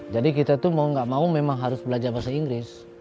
jadi kita itu mau nggak mau memang harus belajar bahasa inggris